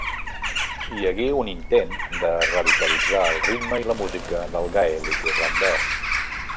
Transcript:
Hi hagué un intent de revitalitzar el ritme i la música del gaèlic irlandès.